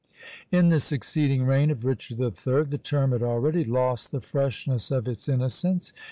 In the succeeding reign of Richard III. the term had already lost the freshness of its innocence.